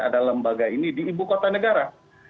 ada lembaga ini di ibu kota negara